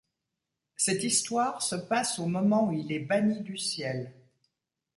Cette histoire se passe au moment où il est banni du ciel.